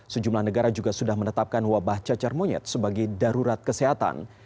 sejumlah negara juga sudah menetapkan wabah cacar monyet sebagai darurat kesehatan